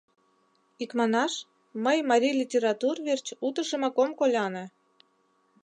Икманаш, мый марий литератур верч утыжымак ом коляне.